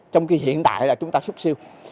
trong khi hiện tại là chúng ta súc siêu